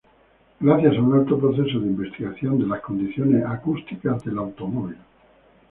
Gracias a un alto proceso de investigación de las condiciones acústicas del automóvil.